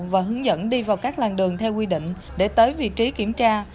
và hướng dẫn đi vào các làng đường theo quy định để tới vị trí kiểm tra